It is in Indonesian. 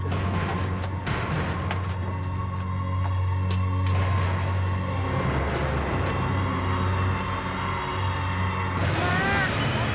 coba aku lihat